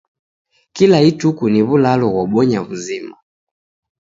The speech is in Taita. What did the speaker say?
Kila ituku ni w'ulalo ghobonya w'uzima